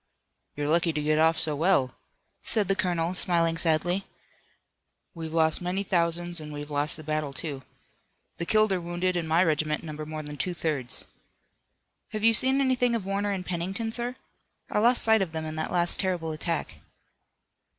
"You're lucky to get off so well," said the colonel, smiling sadly. "We've lost many thousands and we've lost the battle, too. The killed or wounded in my regiment number more than two thirds." "Have you seen anything of Warner and Pennington, sir? I lost sight of them in that last terrible attack."